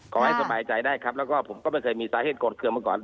ขอให้สบายใจได้ครับแล้วก็ผมก็ไม่เคยมีสาเหตุโกรธเครื่องมาก่อน